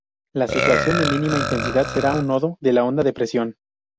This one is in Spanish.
La situación de mínima intensidad será un "nodo" de la onda de presión.